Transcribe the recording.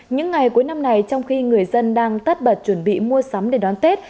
những ngày cuối năm này trong khi người dân đang tất bật chuẩn bị mua sắm để đón tết